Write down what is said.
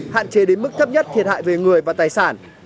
hạn chế đến mức thấp nhất thiệt hại về người và tài sản